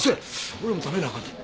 俺も食べなあかんねん。